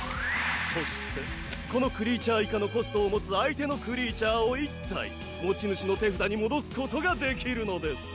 そしてこのクリーチャー以下のコストを持つ相手のクリーチャーを１体持ち主の手札に戻すことができるのです。